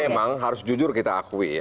memang harus jujur kita akui